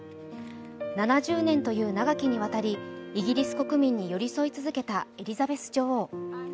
７０年という長きにわたりイギリス国民に寄り添い続けたエリザベス女王。